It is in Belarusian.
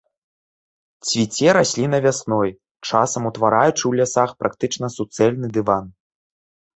Цвіце расліна вясной, часам утвараючы ў лясах практычна суцэльны дыван.